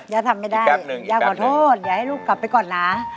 ทำไม่ได้ย่าขอโทษอย่าให้ลูกกลับไปก่อนนะ